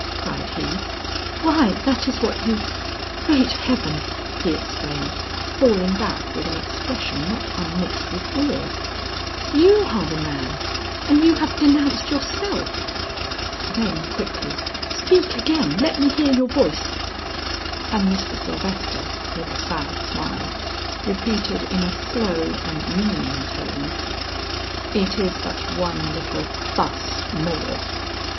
cried he, "why that is what you Great heaven!" he exclaimed, falling back with an expression not unmixed with awe, "you are the man and you have denounced yourself!" Then quickly, "Speak again; let me hear your voice." And Mr. Sylvester with a sad smile, repeated in a slow and meaning tone, "It is but one little fuss more!"